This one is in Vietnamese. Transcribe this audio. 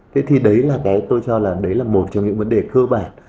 thế thì đấy là cái tôi cho là đấy là một trong những vấn đề cơ bản